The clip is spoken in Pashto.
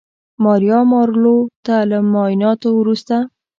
ماریا مارلو ته له معاینانو وروسته